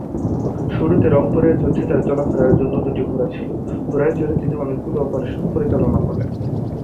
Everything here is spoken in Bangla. শুরুতে রংপুরের যুদ্ধে তার চলাফেরার জন্য দুটি ঘোড়া ছিল ঘোড়ায় চড়ে তিনি অনেকগুলো অপারেশন পরিচালনা করেন।